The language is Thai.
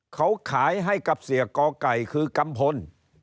เขาขายให้กับเสียกอไก่คือกัมพล